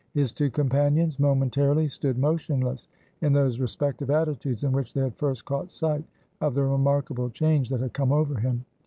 His two companions, momentarily stood motionless in those respective attitudes, in which they had first caught sight of the remarkable change that had come over him.